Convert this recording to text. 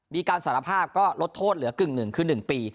มีการสารภาพก็ลดโทษเหลือกึ่งหนึ่งคือ๑ปี